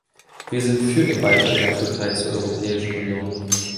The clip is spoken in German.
Wir sind für den Beitritt der Türkei zur Europäischen Union.